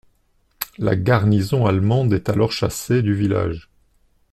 La garnison allemande est alors chassée du village.